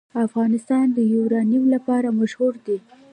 افغانستان د یورانیم لپاره مشهور دی.